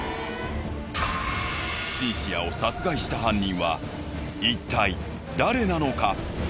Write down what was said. シンシアを殺害した犯人はいったい誰なのか？